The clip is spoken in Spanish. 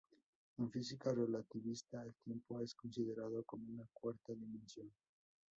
En física relativista, el tiempo es considerado como una cuarta dimensión.